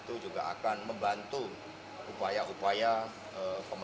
itu juga akan membantu upaya upaya pemadaman